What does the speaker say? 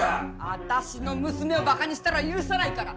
私の娘を馬鹿にしたら許さないから！